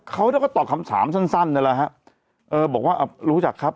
เขาแล้วก็ตอบคำสามสั้นสั้นเลยนะฮะเออบอกว่าอ่ะรู้จักครับ